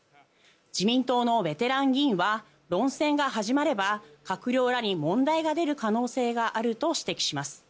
自民党のベテラン議員は論戦が始まれば閣僚らに問題が出る可能性があると指摘します。